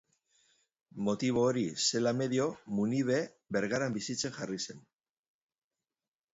Motibo hori zela medio, Munibe Bergaran bizitzen jarri zen.